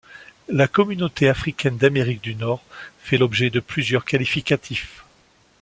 La communauté africaine d’Amérique du Nord fait l’objet de plusieurs qualificatifs.